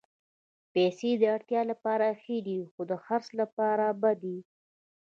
پېسې د اړتیا لپاره ښې دي، خو د حرص لپاره بدې.